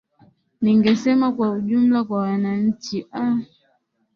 ningesema kwa jumla kwa wananchi aaa